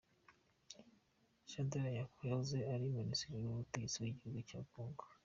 Shadary yahoze ari Minisitiri w’Ubutegetsi bw’Igihugu wa Congo.